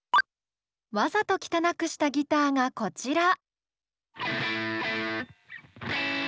わざと汚くしたギターがこちら。